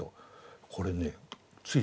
これねつい